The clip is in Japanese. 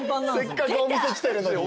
せっかくお店来てるのに。